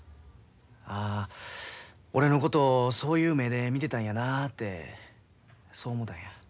ああ俺のことそういう目で見てたんやなてそう思たんや。